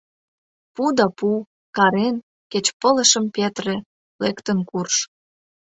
«Пу!» да «пу!» — карен, кеч пылышым петыре, лектын курж.